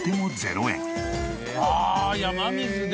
ああ山水で。